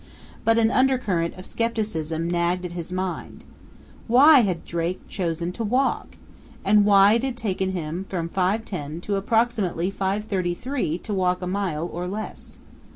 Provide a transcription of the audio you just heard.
But an undercurrent of skepticism nagged at his mind. Why had Drake chosen to walk? And why had it taken him from 5:10 to approximately 5:33 to walk a mile or less?